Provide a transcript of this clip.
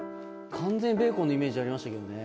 完全にベーコンのイメージありましたけどね。